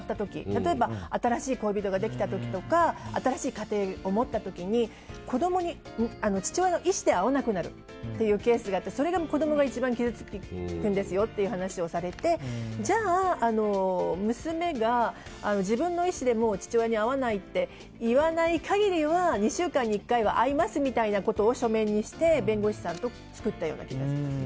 例えば新しい恋人ができた時とか新しい家庭を持った時に父親の意思で子供と会わなくなるというケースがあってそれが一番子供が傷つくんですよという話をされてじゃあ娘が自分の意思で父親に会わないって言わない限りは、２週間に１回は会いますみたいなことを書面にして、弁護士さんと作ったような気がします。